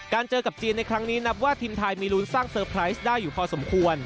เจอกับจีนในครั้งนี้นับว่าทีมไทยมีลุ้นสร้างเซอร์ไพรส์ได้อยู่พอสมควร